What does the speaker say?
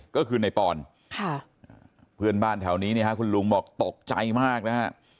ก็คือนายปอนค่ะเพื่อนบ้านแถวนี้นะครับคุณลุงบอกตกใจมากนะครับ